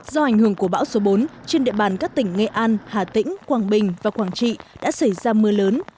do ảnh hưởng của bão số bốn trên địa bàn các tỉnh nghệ an hà tĩnh quảng bình và quảng trị đã xảy ra mưa lớn